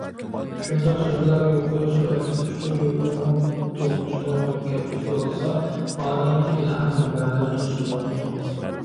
شۇنداق سۆزلەر يۇقىرى سۈرئەتلىك ئۇچۇر يوللىرىنىڭ دۇقمۇشلىرىغا كەپلىشىۋالسا، ئادەمنىڭ ئىلھام مەنبەلىرىنى توسۇۋالىدۇ.